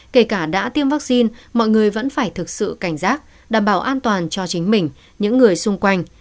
kể cả đã tiêm vaccine mọi người vẫn phải thực sự cảnh giác đảm bảo an toàn cho chính mình những người xung quanh